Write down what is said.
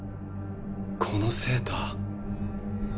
このセーター。